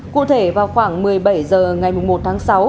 cụ thể vào khoảng một mươi bảy h ngày một tháng sáu